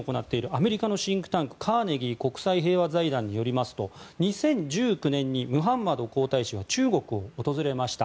アメリカのシンクタンクカーネギー国際平和財団によりますと２０１９年にムハンマド皇太子が中国を訪れました。